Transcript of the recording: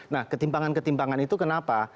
nah ketimpangan ketimpangan itu kenapa